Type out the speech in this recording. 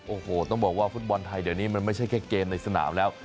โอ้โหต้องบอกว่าฟุตบอลไทยเดี๋ยวนี้มันไม่ใช่แค่เกมในสนามแล้ว